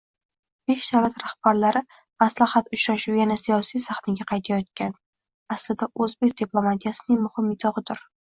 Besh davlat rahbarlari maslahat uchrashuvi yana siyosiy sahnaga qaytayotgani aslida oʻzbek diplomatiyasining muhim yutugʻidir.